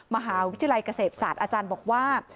มหาวิทยาลัยเกษตรศาสตร์อาจารย์บอกว่า